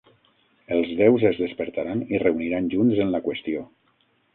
Els déus es despertaran i reuniran junts en la qüestió.